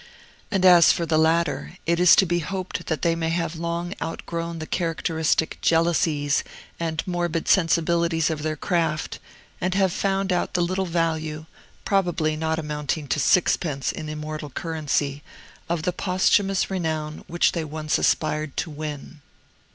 And as for the latter, it is to be hoped that they may have long outgrown the characteristic jealousies and morbid sensibilities of their craft, and have found out the little value (probably not amounting to sixpence in immortal currency) of the posthumous renown which they once aspired to win.